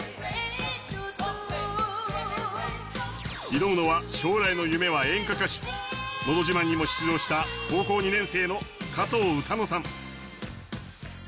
挑むのは将来の夢は演歌歌手『のど自慢』にも出場した高校２年生の加藤詩乃さん。